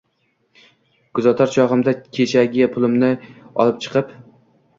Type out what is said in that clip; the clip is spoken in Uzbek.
Kuzatar chogʻimda kechagi pulimni olib chiqib